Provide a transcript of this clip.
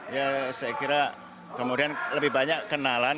ya saya kira kemudian lebih banyak kenalan